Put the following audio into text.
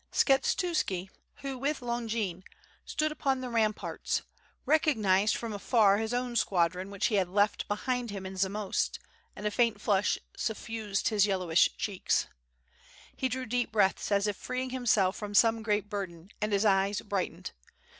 Skshetuski, who with Longin, stood upon the ramparts, recognized from afar his own squadron which he had left behind him in Zamost, and a faint flush suffused his yel lowish cheeks. He drew deep breaths as if freeing himself from some great burden and his eyes brightened.